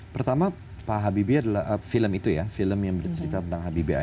pertama pak habibie adalah film itu ya film yang bercerita tentang habibie ainun adalah film yang menarik